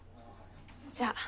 じゃあ。